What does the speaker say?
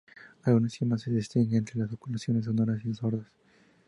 Algunos idiomas sí distinguen entre oclusivas sonoras y sordas.